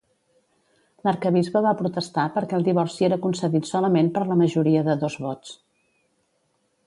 L'arquebisbe va protestar perquè el divorci era concedit solament per la majoria de dos vots.